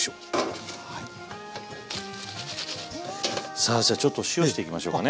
さあじゃあちょっと塩していきましょうかね。